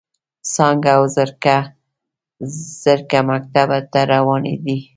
څانګه او زرکه مکتب ته روانې دي.